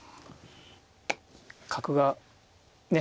角がね